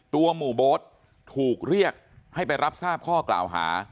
หมู่โบ๊ทถูกเรียกให้ไปรับทราบข้อกล่าวหา